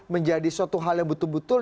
menjadi suatu hal yang betul betul